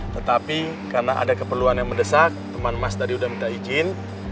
tetapi karena ada keperluan yang mendesak teman mas tadi sudah minta izin